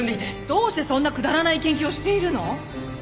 どうしてそんなくだらない研究をしているの？